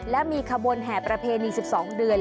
และมีขบวนแห่ประเพณี๑๒เดือน